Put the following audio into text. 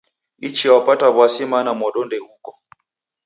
Ichia w'apata w'asi mana modo ndeghuko.